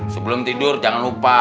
sebelum tidur jangan lupa